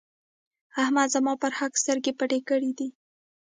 احمد زما پر حق سترګې پټې کړې.